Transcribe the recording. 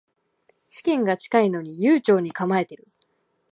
試験が近いのに悠長に構えてる